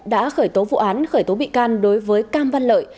đã khởi tố vụ án khởi tố bị can đối với cam văn lợi